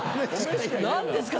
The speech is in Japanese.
何ですか？